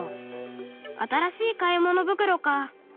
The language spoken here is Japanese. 新しい買い物袋か。